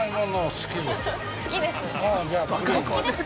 ◆好きです。